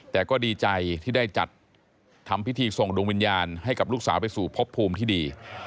แต่ก็ดีใจที่ได้จัดทำพิธีส่งดวงวิญญาณให้กับลูกสาวไปสู่พบภูมิที่ดี